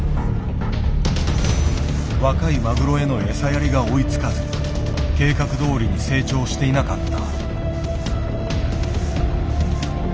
若いマグロへの餌やりが追いつかず計画どおりに成長していなかった。